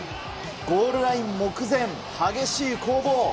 ゴールライン目前、激しい攻防。